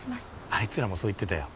あいつらもそう言ってたよ